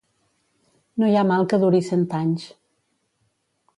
No hi ha mal que duri cent anys.